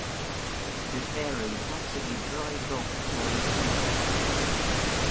The ferry had to be dry docked for repairs.